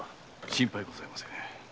心配ございませぬ。